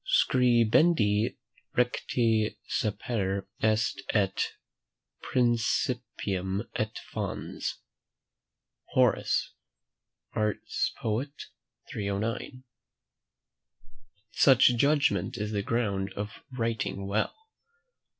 "Scribendi recte sapere est et principium et fons." HOR. ARS POET. 309. "Such judgment is the ground of writing well."